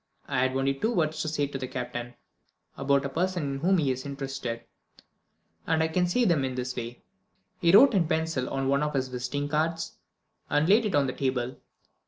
I had only two words to say to the Captain about a person in whom he is interested and I can say them in this way." He wrote in pencil on one of his visiting cards, and laid it on the table.